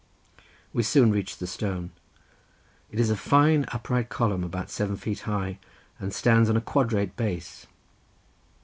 We soon reached the stone. It is a fine upright column about seven feet high, and stands on a quadrate base.